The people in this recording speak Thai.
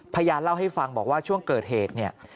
พยานเล่าให้ฟังบอกว่าช่วงเกิดเหตุเนี่ย